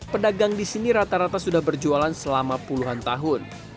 pedagang di sini rata rata sudah berjualan selama puluhan tahun